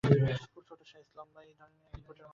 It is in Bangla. খুব ছোট সাইজ, লম্বায় এই ধরেন এক ফুটের মতো হবে।